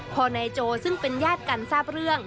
พอนายโจซึ่งเป็นญาติกันทราบเรื่อง